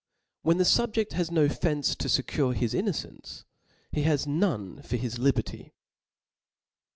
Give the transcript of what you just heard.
WhenTiulrrunC the fubjeft has no fence to fecure his innocence, hei»^ti»e has none for his liberty.